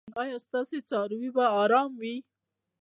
ایا ستاسو څاروي به ارام وي؟